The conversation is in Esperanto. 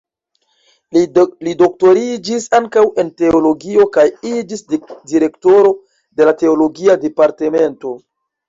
Li doktoriĝis ankaŭ en teologio kaj iĝis direktoro de la teologia departemento.